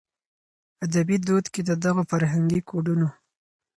ادبي دود کې د دغو فرهنګي کوډونو